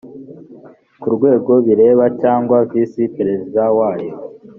ku rwego bireba cyangwa visi perezida wayo